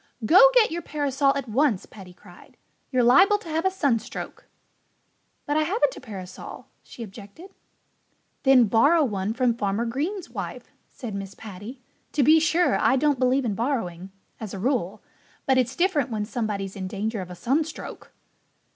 "Go get your parasol at once!" Paddy cried. "You're liable to have a sunstroke." "But I haven't a parasol," she objected. "Then borrow one from Farmer Green's wife," said Mrs. Paddy. "To be sure, I don't believe in borrowing as a rule. But it's different when somebody's in danger of a sunstroke."